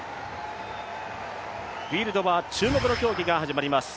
フィールドは注目の競技が始まります。